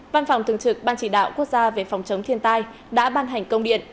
văn phòng thường trực ban chỉ đạo quốc gia về phòng chống thiên tai đã ban hành công điện